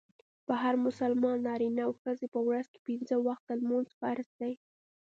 پر هر مسلمان نارينه او ښځي په ورځ کي پنځه وخته لمونځ فرض دئ.